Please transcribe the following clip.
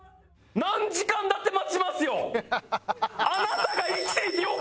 何時間だって待ちますよ！